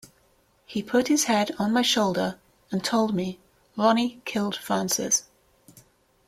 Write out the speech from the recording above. He put his head on my shoulder and told me Ronnie killed Frances.